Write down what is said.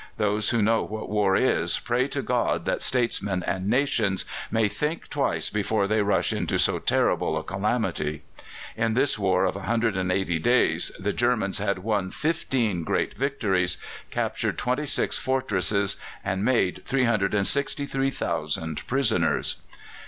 Those who know what war is pray to God that statesmen and nations may think twice before they rush into so terrible a calamity. In this war of 180 days the Germans had won fifteen great victories, captured twenty six fortresses, and made 363,000 prisoners.